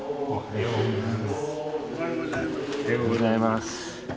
おはようございます。